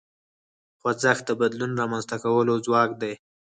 خوځښت د بدلون رامنځته کولو ځواک دی.